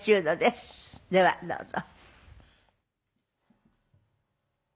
ではどうぞ。